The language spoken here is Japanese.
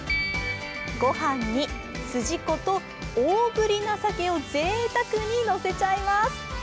御飯にすじこと大ぶりなさけをぜいたくにのせちゃいます。